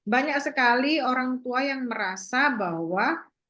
banyak sekali orang tua yang merasa bahwa